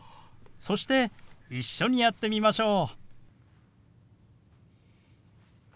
そして一緒にやってみましょう。